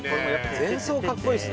前奏カッコいいですね